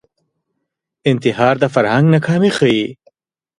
انتحار د فرهنګ ناکامي ښيي